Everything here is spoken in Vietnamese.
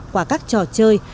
qua các trò chơi